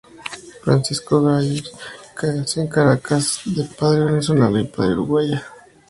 Francisco Graells nació en Caracas de padre venezolano y madre uruguaya.